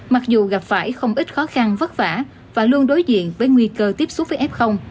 mặc dù gặp phải không ít khó khăn vất vả và luôn đối diện với nguy cơ tiếp xúc với f